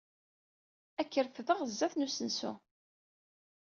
Ad k-refdeɣ seg sdat n usensu.